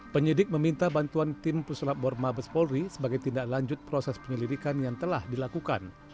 penyidik meminta bantuan tim pusulap bor mabes polri sebagai tindak lanjut proses penyelidikan yang telah dilakukan